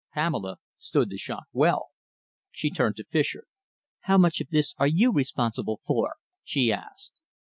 Pamela stood the shock well. She turned to Fischer. "How much of this are you responsible for?" she asked.